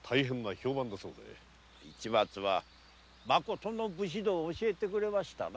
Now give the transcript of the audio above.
市松はまことの武士道を教えてくれましたな。